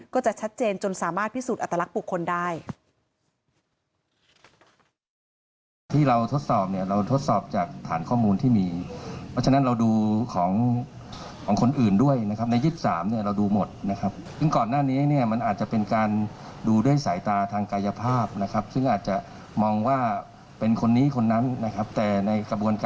ก็จะชัดเจนจนสามารถพิสูจน์อัตลักษณ์บุคคลได้